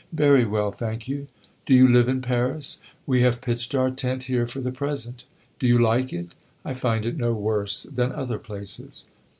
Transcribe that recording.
"Very well, thank you." "Do you live in Paris?" "We have pitched our tent here for the present." "Do you like it?" "I find it no worse than other places."